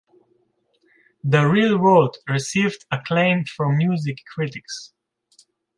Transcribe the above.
"Da Real World" received acclaim from music critics.